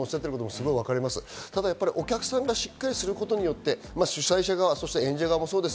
ただ、やっぱりお客さんがしっかりすることによって、主催者側、演者側もそうです。